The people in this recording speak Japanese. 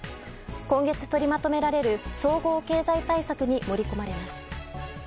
今月取りまとめられる総合経済対策に盛り込まれます。